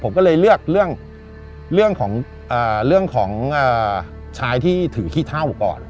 ผมก็เลยเลือกเรื่องของชายที่ถือขี้เท่าก่อน